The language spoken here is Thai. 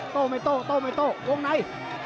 โต้ไม่โต้โต้ไม่โต้วงใน